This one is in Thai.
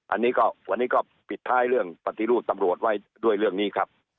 อันนี้ก็วันนี้ก็ปิดท้ายเรื่องปฏิรูปตำรวจไว้ด้วยเรื่องนี้ครับ